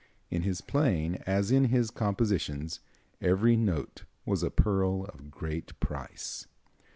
In his playing, as in his compositions, every note was a pearl of great price.